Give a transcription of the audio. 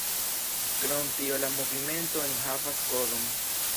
Krom tio la movimento enhavas kodon.